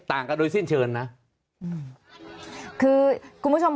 ต่างกันโดยสิ้นเชิญนะอืมคือคุณผู้ชม